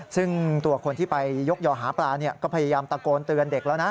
ซึ่งตัวคนที่ไปยกยอหาปลาก็พยายามตะโกนเตือนเด็กแล้วนะ